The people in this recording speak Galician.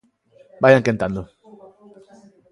Vaian quentando.